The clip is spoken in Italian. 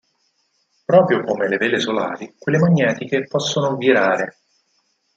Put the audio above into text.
Proprio come le vele solari, quelle magnetiche possono "virare".